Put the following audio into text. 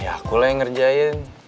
ya aku lah yang ngerjain